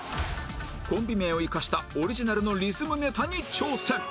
コンビ名を生かしたオリジナルのリズムネタに挑戦